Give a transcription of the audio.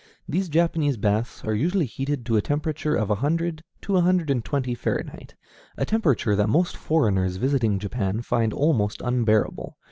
These Japanese baths are usually heated to a temperature of a hundred to a hundred and twenty Fahrenheit, a temperature that most foreigners visiting Japan find almost unbearable.